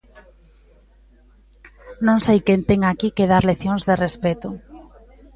Non sei quen ten aquí que dar leccións de respecto.